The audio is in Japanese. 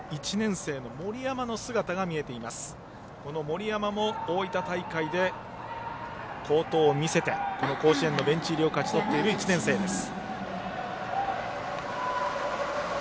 この森山も大分大会で好投を見せて甲子園のベンチ入りを勝ち取っている１年生です。